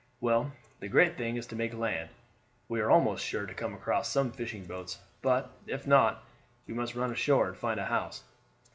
Well, the great thing is to make land. We are almost sure to come across some fishing boats, but, if not, we must run ashore and find a house."